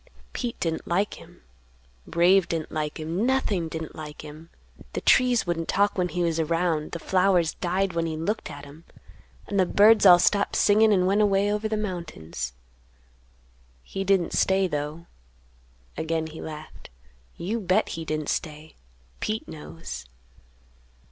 Pete didn't like him, Brave didn't like him, nothing didn't like him, the trees wouldn't talk when he was around, the flowers died when he looked at 'em, and the birds all stopped singin' and went away over the mountains. He didn't stay, though." Again he laughed. "You bet he didn't stay! Pete knows."